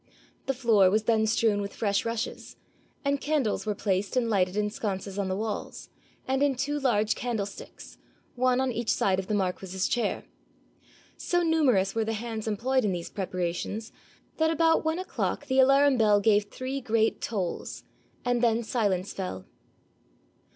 The floor was then strewn with fresh rushes, and candles were placed and lighted in sconces on the walls, and in two large candlesticks, one on each side of the marquis's chair. So numerous were the hands employed in these preparations, that about one o'clock the alarum bell gave three great tolls, and then silence fell.